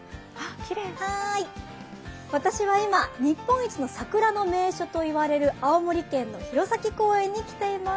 私は今、日本一の桜の名所と言われる青森県の弘前公園に来ています。